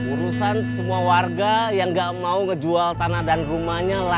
urusan semua warga yang gak mau ngejual tanah dan rumahnya lah